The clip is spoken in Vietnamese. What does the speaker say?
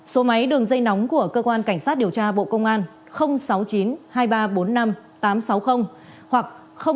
số máy đường dây nóng của cơ quan cảnh sát điều tra bộ công an sáu mươi chín hai nghìn ba trăm bốn mươi năm tám trăm sáu mươi hoặc sáu mươi chín hai trăm ba mươi hai một nghìn sáu trăm bảy